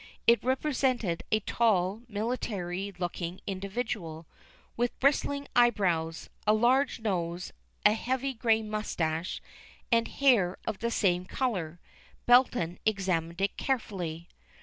It represented a tall, military looking individual, with bristling eyebrows, a large nose, a heavy grey moustache, and hair of the same color. Belton examined it carefully.